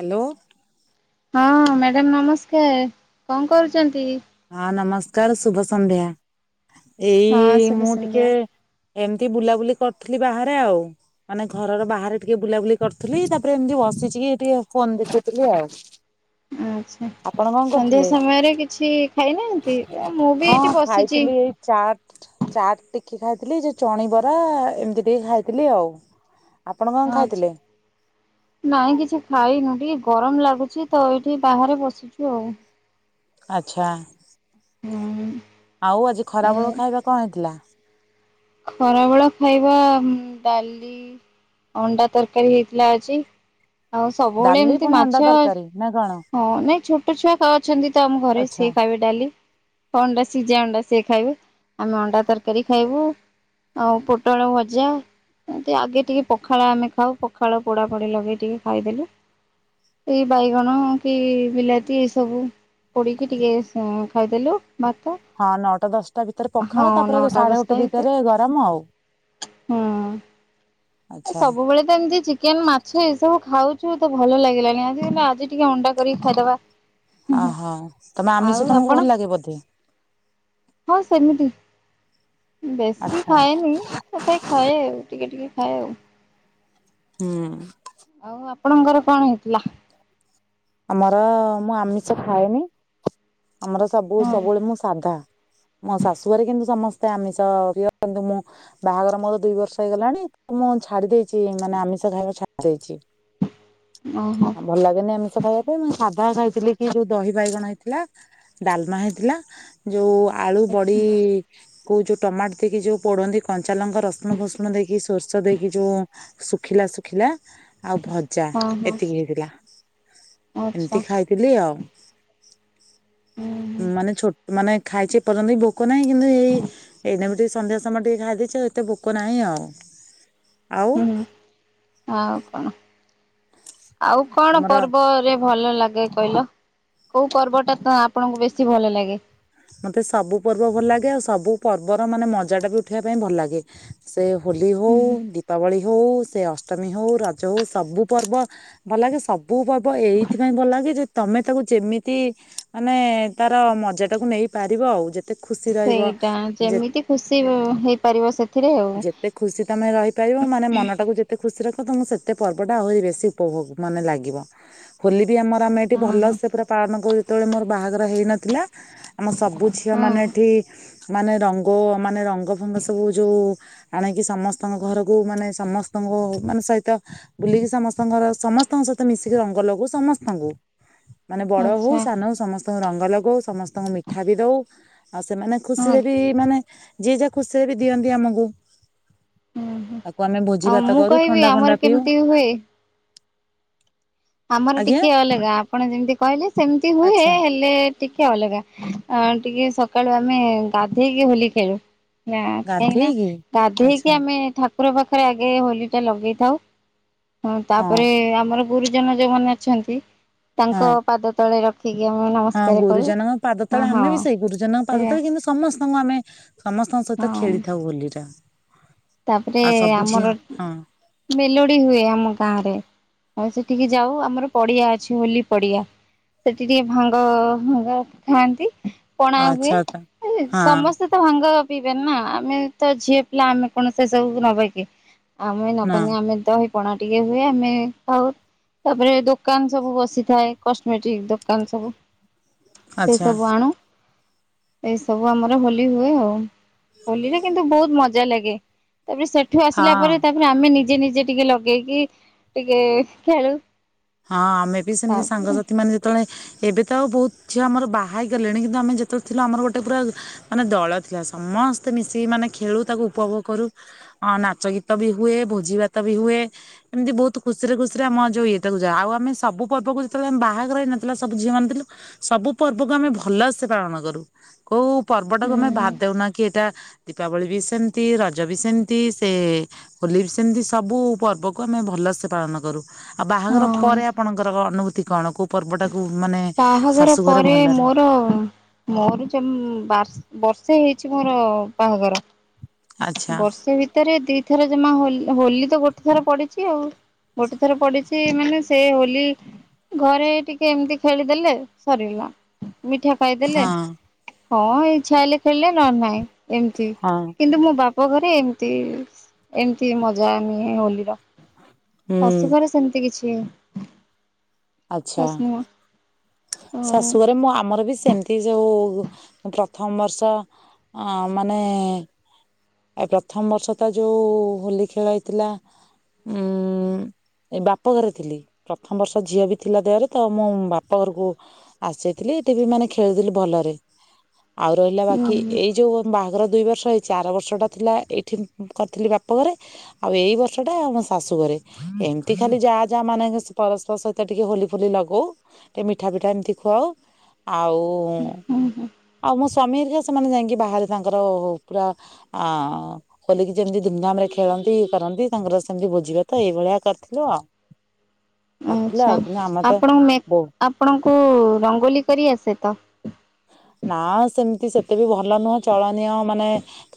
Hello. ହଁ madam ନମସ୍କାର କଣ କରୁଚନ୍ତି? ହଁ ନମସ୍କାର ଶୁଭ ସନ୍ଧ୍ୟା ହଁ ଏଇ ଶୁଭ ମୁଁ ଟିକେ ସନ୍ଧ୍ୟା ଏମିତି ବୁଲାବୁଲି କରୁଥିଲି ବାହାରେ ଆଉ। ମାନେ ଘରର ବାହାରେ ଟିକେ ବୁଲାବୁଲି କରୁଥିଲି ତାପରେ ଏମିତି ବସିଚିକି ଟିକେ ଫୋନ ଦେଖୁଥିଲି ଆଉ। [inaudible] ଆଚ୍ଛା ଆପଣ କଣ ସନ୍ଧ୍ୟା କରୁଥିଲେ? ସମୟରେ କିଛି ଖାଇନାହାନ୍ତି? ଆଁ ମୁଁ ବି ଏଇଠି ବସିଚି। ଚାଟ୍। ଚାଟ୍ ଟିକେ ଖାଇଥିଲି ଯୋଉ ଚଣିବରା ଏମିତି ଟିକେ ଖାଇଥିଲି ଆଉ। ଆପଣ କଣ ହଁ ଖାଇଥିଲେ? ଅଛି। ନାଇଁ କିଛି ଖାଇନୁ ଟିକେ ଗରମ ଲାଗୁଛି ତ ଏଇଠି ବାହାରେ ବସିଚୁ ଆଉ। ଆଚ୍ଛା। ହୁଁ। ଆଉ ଆଜି ଖରା ବେଳ ଖାଇବା କଅ ହେଇଥିଲା? ଖରାବେଳ ଖାଇବା ଉଁମ ଡାଲି। ଅଣ୍ଡା ତରକାରୀ ହେଇଥିଲା ଅଜି ଆଉ ସବୁବେଳେ ଡାଲି ଏମିତି ପୁଣି ଅଣ୍ଡା ମାଛ। ତରକାରୀ ନା କଣ? ହଁ ନାଇଁ ଛୋଟ ଛୁଆ କ ଅଛନ୍ତି ତ ଆମ ଘରେ ଆଚ୍ଛା ସିଏ ଖାଇବେ ଡାଲି। ଅଣ୍ଡା ସିଝା ଅଣ୍ଡା ସିଏ ଖାଇବେ, ଆମେ ଅଣ୍ଡା ତରକାରୀ ଖାଇବୁ। ଆଉ ପୋଟଳ ଭଜା। ଏମତି ଆଗେ ଟିକେ ପଖାଳ ଆମେ ଖାଉ ପଖାଳ ପୋଡା ପୋଡି ଲଗେଇ ଟିକେ ଖାଇଦେଲୁ। ଏଇ ବାଇଗଣ କି ବିଲାତି ଏ ସବୁ ପୋଡିକି ଟିକେ ଉଁ ଖାଇଦେଲୁ। ଭାତ। ହଁ ନଅଟା ଦଶଟା ଭିତରେ ହଁ ପଖାଳ ତାପରେ ନଅଟା ସାଢେ ଦଶଟା ଗୋଟେ ଭିତରେ ଦିଟାରେ ଗରମ ଆଉ। ହୁଁ। ଆଚ୍ଛା। ସବୁବେଳେ ତ ଏମିତି ଚିକେନ, ମାଛ ଏସବୁ ଖାଉଛୁ ତ ଭଲ ଲାଗିଲାଣି ଆଜି। ଆଜି ଟିକେ ଅଣ୍ଡା କରି ଖାଇଦବା। ଓହୋ ତମେ ଆଉ ଆମିଷ ତମକୁ ଆପଣ ଭଲ ଲାଗେ ବୋଧେ? ହଁ ସେମିତି ବେଶୀ ଆଚ୍ଛା ଖାଏନି। ସେଥା ଖାଏ ଆଉ ଟିକେ ଟିକେ ଖାଏ ଆଉ। ହୁଁ। ଆଉ ଆପଣଙ୍କର କଣ ହେଇଥିଲା? ଆମର ମୁଁ ଆମିଷ ଖାଏନି ଆମର ସବୁ ହଁ ସବୁବେଳେ ମୁଁ ସାଧା। ମୋ ଶାଶୁଆରେ କିନ୍ତୁ ସମସ୍ତେ ଆମିଷ ପ୍ରିୟ କିନ୍ତୁ ମୁଁ ବାହାଘର ମୋର ଦୁଇ ବର୍ଷ ହେଇଗଲାଣି। ମୁଁ ଛାଡି ଦେଇଛି ମାନେ ଆମିଷ ଖାଇବା ଛାଡି ଦେଇଛି। ହ [unintelligible] ଭଲ ଲାଗେନି ଏମ ଦ୍ଭାତ ଖାଇବା ପାଇଁ, ମୁଁ ସାଧା ଖାଇଥିଲି କି ଯୋଉ ଦହି ବାଇଗଣ ହେଇଥିଲା, ଡାଲମା ହେଇଥିଲା ଯୋଉ ଆଳୁ ବଢି ଆଛା କୋଉ ଯୋଉ ଟମାଟ ଦେଇକି ଯୋଉ ପୋଡନ୍ତି କଞ୍ଚା ଲଙ୍କା ରସୁଣ ଫୁସୁଣ ଦେଇକି ସୋରିଷ ଦେଇକି ଯୋଉ ଶୁଖିଲା ଶୁଖିଲା ଆଉ ଭଜା ହଁ ହଁ। ଏତିକି ହେଇଥିଲା। ଆଚ୍ଛା ଏମିତି ଖାଇଥିଲି ଆଉ। ହୁଁ ମାନେ ଛୋଟ ମାନେ ଖାଇଚି ଏ ପର୍ଯ୍ୟନ୍ତ ବି ଭୋକ ନାହିଁ। କିନ୍ତୁ ଏଇ ଏଇନା ବି ଟିକେ ସନ୍ଧ୍ୟା ସମୟ ଟିକେ ଖାଇଦେଇଚି, ଏତେ ଭୋକ ନାହିଁ ଆଉ। ଆଉ ହୁଁ ଆଉ କଣ? ଆଉ କଣ ତମର ପର୍ବରେ ଭଲ ଲାଗେ? କହିଲ କୋଉ ପର୍ବଟା ତ ଆପଣଙ୍କୁ ବେଶୀ ଭଲ ଲାଗେ? ମତେ ସବୁ ପର୍ବ ଭଲ ଲାଗେ। ଆଉ ସବୁ ପର୍ବର ମାନେ ମଜା ଟା ବି ଉଠେଇବା ପାଇଁ ଭଲ ଲାଗେ। ସେ ହୋଲି ହୋଉ, ଦୀପାବଳି ହୋଉ, ସେ ଅଷ୍ଟମୀ ହଉ, ରଜ ହଉ, ସବୁ ପର୍ବ ଭଲ ଲାଗେ ସବୁ ପର୍ବ ଏଇଥିପାଇଁ ଭଲ ଲାଗେ ଯେ ତମେ ତାକୁ ଯେମିତି ମାନେ ତାର ମଜା ଟାକୁ ନେଇ ପାରିବ ଆଉ ଯେତେ ଖୁସି ରହିବ। ସେଇଟା ଯେ ଯେମିତି ଖୁସି ହେଇପାରିବ ସେଥିରେ ଆଉ ଯେତେ ଖୁସି ତମେ ରହି ପାଇବ ମାନେ ମନ ଟାକୁ ଯେତେ ଖୁସି ରଖିବ ତମ ସେତେ ପର୍ବ ଟା ଆହୁରି ବେଶୀ ଉପଭୋଗ ମାନେ ଲାଗିବ। ହୋଲି ବି ଆମର ଆମେ ଏଇଠି ହଁ ଭଲ ହଁ ସେ ପୁରା ପାଳନ କରୁ। ଯେତେବେଳେ ମୋର ବାହାଘର ହେଇନଥିଲା। ଆମ ସବୁ ହଁ ଝିଅମାନେ ଏଠି ମାନେ ରଙ୍ଗ ମାନେ ରଙ୍ଗ ଭଙ୍ଗ ସବୁ ଯୋଉ ଉଁ ଆଣାକି ସମସ୍ତଙ୍କ ଘରକୁ ମାନେ ସମସ୍ତଙ୍କୁ ମାନେ ସହିତ ବୁଲିକି ସମସ୍ତଙ୍କର ସମସ୍ତଙ୍କ ସହିତ ମିଶିକି ରଙ୍ଗ ଲଗୁ ସମସ୍ତଙ୍କୁ। ମାନେ ବଡ ହୋଉ ଆଚ୍ଛା ସାନ ହଉ ସମସ୍ତଙ୍କୁ ରଙ୍ଗ ଲଗଉ ସମସ୍ତଙ୍କୁ ମିଠା ବି ଦୋଉ ଆଉ ସେମାନେ ହଁ ଖୁସିରେ ବି ମାନେ ଯିଏ ଯାହା ଖୁସିରେ ବି ଦିଅନ୍ତି ଆମକୁ ହଁ ହଁ ତାକୁ ଆମେ ଭୋଜି ଆଉ ଭାତ ମୁଁ କରୁ କହିବି ଥଣ୍ଡା ଆମର ଫଣ୍ଡା ପିଉ। କେମିତି ହୁଏ ଆମର ଆଜ୍ଞା ଟିକେ ଅଲଗା ଆପଣ ଯେମିତି କହିଲେ ସେମିତି ହୁଏ ଆଚ୍ଛା ହେଲେ ଟିକେ ଅଲଗା। ଟିକେ ସକାଳୁ ଆମେ ଗାଧେଇକି ହୋଲି ଖେଳୁ। ନା କାହିଁକି ନା ଗାଧେଇକି ଗାଧେଇକି ଆଚ୍ଛା ଆମେ ଠା ଠାକୁର ପାଖରେ ଆଗେ ହୋଲି ଟା ଲଗେଇଥାଉ। ହଁ ତାପରେ ଆମର ଜନ ଯୋଉମାନେ ଅଛନ୍ତି ହଁ। ତାଙ୍କ ପାଦ ତଳେ ରଖିକି ଆମେ ହଁ ନମସ୍କାର କରୁ। ଗୁରୁଜନଙ୍କ ପାଦ ହଁ ତଳେ ହଁ ଆମେ ବି ସେଇ ଗୁରୁଜନଙ୍କ ପାଦ ସେଇଆ ତଳେ କିନ୍ତୁ ଯେ ସମସ୍ତଙ୍କୁ ଆମେ ସମସ୍ତଙ୍କ ସହିତ ହଁ ଖେଳିଥାଉ ହୋଲିଟା। ତାପରେ ଆଉ ସବୁ ଝିଅ ଆମର ଏ ହଁ ମେଲୋଡି ହୁଏ ଆମ ଗାଁ ରେ। ଆଉ ସେଠିକି ଯାଉ ଆମର ପଡିଆ ଅଛି ବୋଲି ପଡିଆ। ସେଠି ଟିକେ ଭାଙ୍ଗ ଭଙ୍ଗ ଖାଆନ୍ତି। ପଣା ହୁଏ। ଆଚ୍ଛା ତ ହଁ ସମସ୍ତେ ତ ଭାଙ୍ଗ ପିଇବେନି ନା ଆମେ ତ ଝିଅ ପିଲା ଆମେ କଣ ସେ ସବୁ ନବାକି? ଆମେ ନା ନବାନି ଆମେ ଦହି ପଣା ଟିକେ ହୁଏ ଆମେ ଖାଉ। ତେବେ ଦୋକାନ ସବୁ ବସିଥାଏ, କସମେଟିକ୍ ଦୋକାନ ସବୁ। ସେଇ ଆଚ୍ଛା ସବୁ ଆଣୁ। ଏଇ ସବୁ ଆମର ହୋଲି ହୁଏ ଆଉ। ହୋଲିରେ କିନ୍ତୁ ବୋହୁତ୍ ମଜା ଲାଗେ। ତାପରେ ସେଠୁ ଆସିଲା ହଁ। ପରେ ତା ଫୁଣି ଆମେ ନିଜେ ନିଜେ ଟିକେ ଲଗେଇକି ଟିକେ ଖେଳୁ। ହଁ ଆମେ ବି ସେମିତି ତାପରେ ସାଙ୍ଗସାଥି ମାନେ ତଳେ, ଏବେ ତ ଆଉ ବୋହୁତ୍ ଝିଅ ଆମର ବାହା ହେଇଗଲେଣି। କିନ୍ତୁ ଆମେ ଯେତବେଳେ ଥିଲୁ ଆମର ଗୋଟେ ପୁରା ମାନେ ଦଳ ଥିଲା ସମସ୍ତେ ମିଶିକି ମାନେ ଖେଳୁ ତାକୁ ଉପଭୋଗ କରୁ। ହଁ ନାଚ ଗୀତ ବି ହୁଏ। ଭୋଜି ଭାତ ବି ହୁଏ। ଏମତି ବୋହୁତ୍ ଖୁସିରେ ଖୁସିରେ ଆମ ଯୋଉ ଇଏ ତାକୁ ଯାହା ହୋଉ ଆମେ ସବୁ ପର୍ବକୁ ଯେତବଳେ ଆମେ ବାହାଘର ହେଇ ନଥିଲା ସବୁ ଝିଅମାନେ ଥିଲୁ। ସବୁ ପର୍ବକୁ ଆମେ ଭଲସେ ପାଳନ କରୁ। କୋଉ ପର୍ବ ଟାକୁ ଆମେ ହୁଁ ବାଦ୍ ଦଉନା କି ଏଇଟା ଦୀପାବଳି ବି ସେମତି, ରଜ ବି ସେମତି ସେ ହୋଲି ବି ସେମତି ସବୁ ପର୍ବକୁ ଆମେ ଭଲସେ ପାଳନ କରୁ। ଆଉ ବାହାଘର ହଁ ପରେ ଆପଣଙ୍କର ଅନୁଭୂତି କଣ କୋଉ ପର୍ବଟାକୁ ମାନେ ଆପ ବାହାଘର ପରେ ମୋର ମୋର ଯମ ବା ବର୍ଷେ ହେଇଚି ମୋର ବାହାଘର। ଆଚ୍ଛା ବର୍ଷେ ଭିତରେ ଦିଥର ଜମା ହୋଲ ହୋଲି ତ ଗୋଟେ ଥର ପଡିଚି ଆଉ। ଗୋଟେ ଥର ପଡିଚି ମାନେ ସେ ହୋଲି ଘରେ ଟିକେ ଏମିତି ଖେଳିଦେଲେ ସରିଗଲା ମିଠା ଖାଇଦେଲେ। ହଁ ହଁ ଇଛା ହେଲେ ଖେଳିଲେ ନହନେ ନାହିଁ ଏମତି। ହଁ କିନ୍ତୁ ମୋ ବାପ ଘରେ ଏମତି ଏମତି ମଜା ନିଏ ହୋଲି ର। ହୁଁ ଶୋଶୁ ଘରେ ସେମତି କିଛି ଆଚ୍ଛା ଖାସ୍ ନୁହଁ। ଓ ଶାଶୁଘରେ ମୁଁ ଆମର ବି ସେମତି ଯୋଉ ପ୍ରଥମ ବର୍ଷ ଅଁ ମାନେ ଆଉ ପ୍ରଥମ ବର୍ଷ ତ ଯୋଉ ହୋଲି ଖେଳ ହେଇଥିଲା ଉଁ ଏ ବାପଘରେ ଥିଲି ପ୍ରଥମ ବର୍ଷ ଝିଅ ବି ଥିଲା ଦେହରେ ତ ମୁଁ ବାପ ଘରୁକୁ ଆସିଯାଇଥିଲି ତିବି ମାନେ ଖେଳୁଥିଲି ଭଲରେ। ଆଉ ରହିଲା ହୁଁ ବାକି ଏଇ ଯୋଉ ବାହାଘର ଦୁଇ ବର୍ଷ ହେଇଚି ଆର ବର୍ଷଟା ଥିଲା ଏଇଠି କରିଥିଲି ବାପ ଘରେ। ଆଉ ଏଇ ବର୍ଷ ଟା ମୋ ଶାଶୁ ଘରେ ଏମତି ଖାଲି ଯାଆ ଯାଆ ମାନେ ପରସ୍ପର ସହ ତ ଟିକେ ହୋଲି ଫୋଲି ଲଗଉ ଏ ମିଠା ଫିଠା ଏମତି ଖୁଆଉ ଆଉ ହୁଁ ହୁଁ ଆଉ ମୋ ସ୍ୱାମୀ ହରିକା ସେମାନେ ଯାଇକି ବାହାରେ ତାଙ୍କର ପୁରା ଆଁ ହୋଲିକି ଯେମିତି ଧୁମଧାମ୍ ରେ ଖେଳନ୍ତି। ଇଏ କରନ୍ତି ତାଙ୍କର ସେମିତି ଭୋଜି ଭାତ ଏଇଭଳିଆ କରିଥିଲୁ ଆଉ। କରିଥିଲେ ଆଚ୍ଛା ଆଉ କିନ୍ତୁ ଆମେ ତ ଆପଣଙ୍କ ମେ ବହୁ ଆପଣଙ୍କୁ ରଙ୍ଗୋଲି କରି ଆସେ ତ? ନାଁ ସେମତି ସେତେ ବି ଭଲ ନୁହେ ଚଳନୀୟ ମାନେ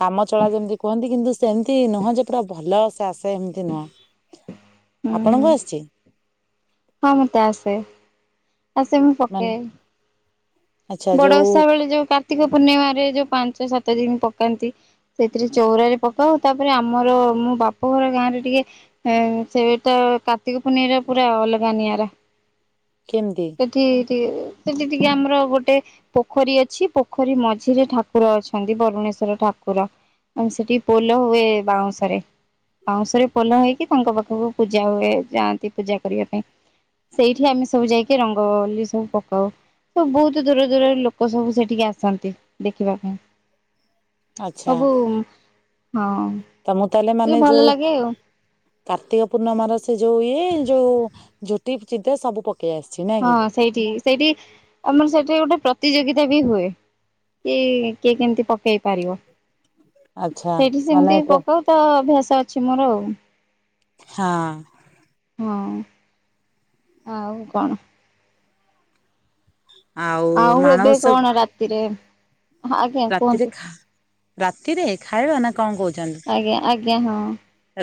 କାମ ଚଳା ଯେମତି କୁହନ୍ତି କିନ୍ତୁ ସେମତି ନୁହଁ ଯେ ପୁରା ଭଲ ସେ ଆସେ ହେମତି ନୁହଁ। [inaudible] ହୁଁ ଆପଣଙ୍କୁ ଆସୁଚି? ହଁ ମତେ ଆସେ ଆସେ ମୁଁ ମାନେ ପକାଏ। ଆଚ୍ଛା ବଡ ଯୋଉ ଓଷା ବେଳେ ଯୋଉ କାର୍ତ୍ତିକ ପୂର୍ଣ୍ଣିମାରେ ଯୋଉ ପାଞ୍ଚ ସାତ ଦିନ୍ ପକାନ୍ତି। ସେଥିରେ ଚଉରାରେ ପକାଉ ତାପରେ ଆମର ମୁଁ ବାପ ଘର ଗାଁରେ ଟିକେ ହୁଁ ସେଟା କାର୍ତ୍ତିକ ପୁର୍ଣ୍ଣିମାରେ ପୁରା ଅଲଗା ନିଆରା। କେମିତି? ସେଠି ଟିକେ ସେଠି ଟିକେ ଆମର ଗୋଟ ଟେ ପୋଖରୀ ଅଛି ପୋଖରୀ ମଝିରେ ଠାକୁର ଅଛନ୍ତି ବରୁଣେଶ୍ଵର ଠାକୁର। ଆମ ସେଠି ପୋହ୍ଲ ହୁଏ ବାଉଁସରେ। ବାଉଁଶରେ ପୋହ୍ଲ ହେଇକି ତାଙ୍କ ପାଖକୁ ପୂଜା ହୁଏ। ଯାଆନ୍ତି ପୂଜା କରିବା ପାଇଁ। ସେଇଠି ଆମେ ସବୁ ଯାଇକି ରଙ୍ଗଲି ସବୁ ପକାଉ। ତ ବହୁତ ତ ଦୂର ଦୂରରୁ ଲୋକ ସବୁ ସେଠିକି ଆସନ୍ତି ଦେଖିବା ପାଇଁ। ଆଚ୍ଛା। ସବୁ ହଁ। ତମକୁ ତାହେଲେ ଟିକେ ମାନେ ଭଲ ଯୋଉ ଲାଗେ ଆଉ କାର୍ତ୍ତିକ ପୂର୍ଣ୍ଣମାର ସେ ଯୋଉ ଇଏ ଯୋଉ ଝୋଟି ଚିଦ୍ର ସବୁ ପକେଇ ଆସିଚି ନା କି। ହଁ ସେଇଠି ସେଇଠି ଆମର ସେଠି ଗୋଟେ ପ୍ରତିଯୋଗିତା ବି ହୁଏ। କି କିଏ କେମତି ପକେଇ ପାରିବ ଆଚ୍ଛା ସେଇଠି ସେମିତି ମାନେ ପକାଉ ତ ଅଭ୍ୟାସ ଅଛି ମୋର ଆଉ। ହଁ। ହଁ ଆଉ କଣ? ଆଉ ଏବେ କଣ ରାତିରେ ଆଜ୍ଞା ରାତିରେ କୁହନ୍ତୁ ଖା ରାତିରେ ଖାଇବା ନା କଣ କହୁଛନ୍ତି? ଆଜ୍ଞା ଆଜ୍ଞା ହଁ।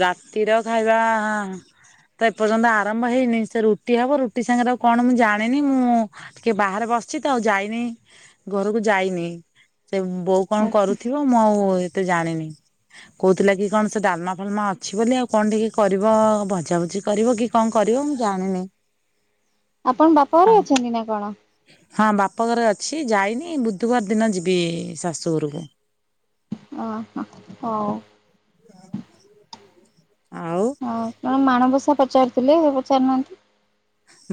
ରାତିର ଖାଇବା ତ ଏପର୍ଯ୍ୟନ୍ତ ଆରମ୍ଭ ହେଇନି ସେ ରୁଟି ହବ ରୁଟି ସାଙ୍ଗରେ ଆଉ କଣ ମୁଁ ଜାଣିନି ମୁଁ ଟିକେ ବାହାରେ ବସିଛି ତ ଆଉ ଯାଇନି ଘରକୁ ଯାଇନି। ସେ ବୋଉ କଣ ଆଚ୍ଛା କରୁଥିବ ମୁଁ ଆଉ ଏତେ ଜାଣିନି। କହୁଥିଲା କି କଣ ସେ ଡାଲମା ଡ଼ାଲାମା ଅଛି ବୋଲି ଆଉ କଣ ଟିକେ କରିବ ଭଜାଭୁଜି କରିବ କି କଣ କରିବ ମୁଁ ଜାଣିନି। ଆପଣ ବାପା ଘରେ ହଁ ଅଛନ୍ତି ନା କଣ? ହଁ ବାପଘରେ ଅଛି ଯାଇନି ବୁଧବାର ଦିନ ଯିବି ଶାଶୁଘରକୁ। ଓହୋ ହଉ। ହ [inaudible] ହଉ କଣ ମାଣବସା ପଚାରୁଥିଲେ ପଚାରୁନାହାନ୍ତି?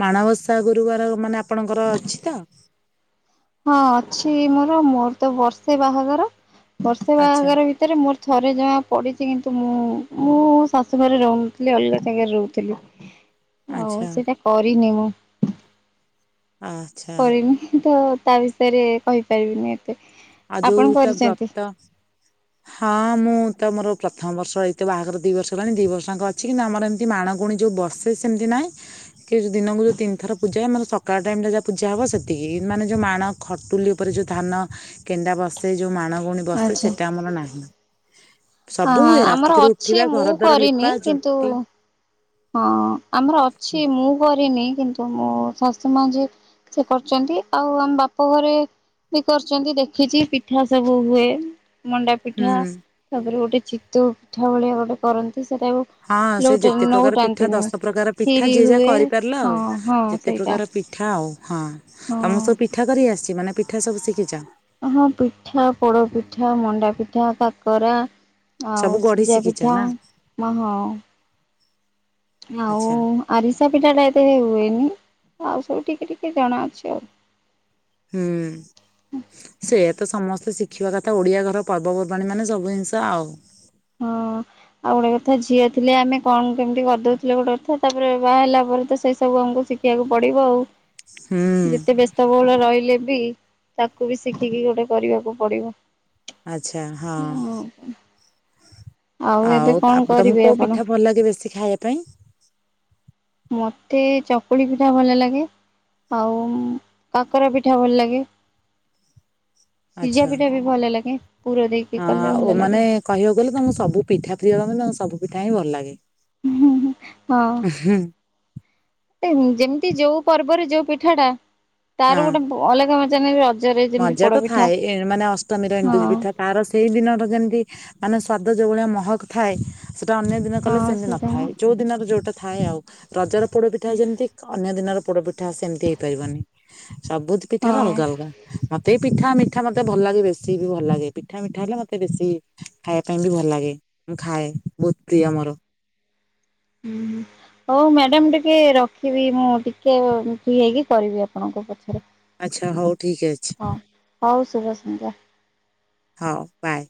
ମାଣବସା ଗୁରୁବାର ମାନେ ଆପଣଙ୍କର ଅଛି ତ? ହଁ ଅଛି ମୋର ମୋର ତ ବର୍ଷେ ବାହାଘର ବର୍ଷେ ଆଚ୍ଛା ବାହାଘର ଭି ତରେ ମୋର ଥରେ ଜମା ପଡ଼ିଚି କିନ୍ତୁ ମୁଁ ମୁଁ ଶାଶୁ ଘରେ ରହୁନଥିଲି ଅଲଗା ଜାଗାରେ ରହୁଥିଲି। ଆଉ ଆଚ୍ଛା ସେଟା କରିନି ମୁଁ। ଆଁ। କରିନି ତ ତା ବିଷୟରେ କହିପାରିବିନି ଏତେ। ଆଉ ଆପଣ ଯୋଉ ଟା କରିଛନ୍ତି ବ୍ରତ ହଁ ମୁଁ ତ ମୋର ପ୍ରଥମ ବର୍ଷ ଏଇତ ବାହାଘର ଦି ବର୍ଷ ହେଲାଣି ଦି ବର୍ଷ ଆଙ୍କ ଅଛି କିନ୍ତୁ ଆମର ଏମିତି ମାଣଗୁଣୀ ଯୋଉ ବସେ ସେ ସେମତି ନାହିଁ। କିନ୍ତୁ ଯୋଉ ଦିନକୁ ଯୋଉ ତିନିଥର ପୂଜା ହୁଏ ଆମର ସକାଳ ଟାଇମ ଟା ଯାହା ପୂଜା ହବ ସେତିକି ମାନେ ଯୋଉ ମାଣ ଖଟୁଲି ଉପରେ ଯୋଉ ଧାନ କେଣ୍ଡା ବସେ ଯୋଉ ମାଣ ଗୁଣି ବସେ ଆଚ୍ଛା। ସେଟା ଆମର ନାହିଁ। ହଁ ସବୁ ହଁ ହୁଏ ଆମର ରାତିକରୁ ଅଛି ଉଠିବା ମୁଁ ଘର ଦ୍ୱାର କରିନି ଲିପା ଝୋଟି କିନ୍ତୁ ହଁ ଆମର ଅଛି ମୁଁ କରିନି କିନ୍ତୁ ମୋ ଶାଶୁ ମାଆ ଯିଏ ସେ କରୁଛନ୍ତି। ଆଉ ଆମ ବାପ ଘରେ ବି କରୁଛନ୍ତି ଦେଖିଛି ପିଠା ସବୁ ହୁଏ। ମଣ୍ଡା ପିଠା ହୁଁ। ତା ପରେ ଗୋଟେ ଚିତଉ ପିଠା ଭଳିଆ ଗୋଟେ କରନ୍ତି ସେଟାକୁ ହଁ ସେ ଲଉଟା ଯେତେ ପ୍ରକାର ପିଠା ନଉଟାନ୍ତିନି ଦଶ ପ୍ରକାର ପିଠା ଖିରି ଯିଏ ଯାହା ହୁଏ କରିପାରିଲ ହଁ ଆଉ। ହଁ ଯେତେ ସେଇଟା ପ୍ରକାର ପିଠା ଆଉ। ହଁ ତମକୁ ସବୁ ହଁ ପିଠା କରି ଆସିଛି ମାନେ ପିଠା ସବୁ ଶିଖିଛ? ହଁ ପିଠା ପୋଡ ପିଠା, ମଣ୍ଡା ପିଠା, କାକରା ସବୁ ଆଉ ଗଢି ସିଜା ଶିଖିଛ ପିଠା ନା ମାହଁ ଆଉ ଆଚ୍ଛା। ଆରିସା ପିଠା ଟା ଏତେ ହୁଏନି ଆଉ ସବୁ ଟିକେ ଟିକେ ଜଣା ଅଛି ଆଉ। ହୁଁ। ସେୟା ତ ସମସ୍ତେ ଶିଖିବା କଥା ଓଡିଆ ଘର ପର୍ବପର୍ବାଣି ମାନେ ସବୁ ଜିନିଷ ଆଉ। ହଁ। ଆଉ ଗୋଟେ କଥା ଝିଅ ଥିଲେ ଆମେ କଣ କେମିତି କରିଦଉଥିଲେ ଗୋଟେ କଥା। ତା ପରେ ବାହା ହେଲା ପରେ ତ ସେଇ ସବୁ ଆମକୁ ଶି ଶିଖିବାକୁ ପଡିବ ଆଉ ହୁଁ ଯେତେ ବେସ୍ ତ ବହୁଳ ରହିଲେ ବି ତାକୁ ବି ଶିଖିକି ଗୋଟେ କରିବାକୁ ପଡିବ। ଆଚ୍ଛା ହଁ। ଏବେ ଆଉ କଣ ତା ପରେ ତମକୁ କରିବେ କୋଉ ଆପଣ? ପିଠା ଭଲ ଲାଗେ ବେଶୀ ଖାଇବା ପାଇଁ? ମତେ ଚକୁଳି ପିଠା ଭଲ ଲାଗେ। ଆଉ କାକରା ପିଠା ଭଲ ଲାଗେ। ସିଝା ଆଚ୍ଛା। ପିଠା ବି ଭଲ ଲାଗେ ପୁର ଦେଇକି ହଁ କଲେ ଓ ଭଲ ମାନେ ଲାଗେ। କହିବାକୁ ଗଲେ ତମକୁ ସବୁ ପିଠା ପ୍ରିୟ ତମ ସବୁ ପିଠା ହିଁ ଭଲ ଲାଗେ। ହୁଁ ହୁଁ ହଁ। ଉଁ ହୁଁ। ଏ ଯେମିତି ଯୋଉ ପର୍ବରେ ଯୋଉ ପିଠା ଟା ତାର ହଁ ଗୋଟେ ଅଲଗା ମଜ ନା ରଜରେ ଯେମିତି ମଜା ତ ପୋଡପିଠା ଥାଏ ଏ ମାନେ ଅଷ୍ଟମୀର ଏଣ୍ଡୁରି ହଁ ପିଠା। ତାର ସେଇ ଦିନର ଯେମିତି ମାନେ ସ୍ଵାଦ ଯୋଉ ଭଳିଆ ମହକ ଥାଏ। ସେଟା ଅନେକ ଦିନ କଲେ ହଁ ସେମିତି ସେଇଟା ନଥାଏ। ହଉ ଯୋଉ ଦିନ ର ଯୋଉଟା ଥାଏ ଆଉ। ରଜ ର ପୋଡ ପିଠା ଯେମିତି ଅନ୍ୟ ଦିନର ପୋଡ ପି ଠା ସେମିତି ହେଇପାରିବନି। ସବୁ ପିଠା ର ଅଲଗା ଅଲଗା। ମତେ ପିଠା ମିଠା ମତେ ଭଲ ଲାଗେ ବେଶୀ ବି ଭଲ ଲାଗେ ପିଠା ମିଠା ହେଲେ ମତେ ବେଶୀ ଖାଇବା ପାଇଁ ବି ଭଲ ଲାଗେ ମୁଁ ଖାଏ ବହୁତ ପ୍ରିୟ ମର। ହୁଁ। ହଉ ମ୍ୟାଡାମ ଟିକେ ରଖିବି ମୁଁ ଟିକେ ମ ଫ୍ରି ହେଇକି କରିବି ଆପଣଙ୍କୁ ପଛରେ। ଆଚ୍ଛା ହଉ ଠିକ ହଁ ଅଛି। ହଉ ଶୁଭ ସଂଧ୍ୟା। ହଁ ବାଏ।